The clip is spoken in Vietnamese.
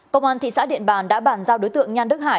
công an thị xã điện bàn đã bàn giao đối tượng nhan đức hải